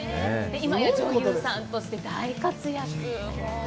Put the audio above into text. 今や女優さんとして大活躍。